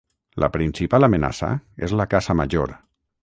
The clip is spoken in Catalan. La principal amenaça és la caça major.